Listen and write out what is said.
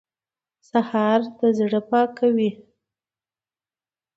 سهار د زړه پاکوي.